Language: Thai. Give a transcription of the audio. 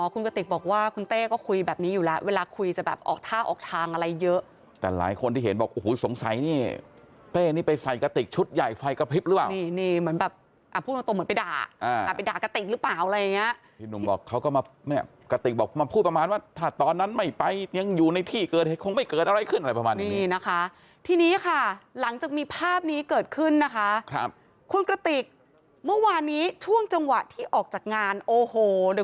อ๋อคุณกติกบอกว่าคุณเต้ก็คุยแบบนี้อยู่แล้วเวลาคุยจะแบบออกท่าออกทางอะไรเยอะแต่หลายคนที่เห็นบอกโอ้โหสงสัยนี่เต้นี่ไปใส่กติกชุดใหญ่ไฟกระพริบหรือเปล่านี่นี่เหมือนแบบอ่ะพูดตรงตรงเหมือนไปด่าอ่ะไปด่ากติกหรือเปล่าอะไรอย่างเงี้ยพี่หนุ่มบอกเขาก็มาเนี่ยกติกบอกมาพูดประมาณว่าถ้าตอนนั้นไม